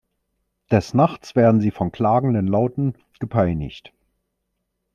Des Nachts werden sie von klagenden Lauten gepeinigt.